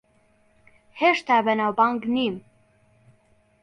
هێشتا بەناوبانگ نیم.